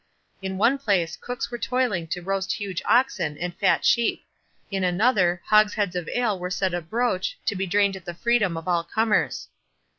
In one place cooks were toiling to roast huge oxen, and fat sheep; in another, hogsheads of ale were set abroach, to be drained at the freedom of all comers.